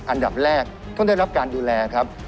อันดับแรกต้องได้รับการดูแลครับ